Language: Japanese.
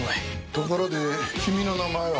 ところで君の名前は？